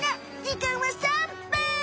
時間は３分！